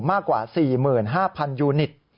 มากกว่า๔๕๐๐ยูนิต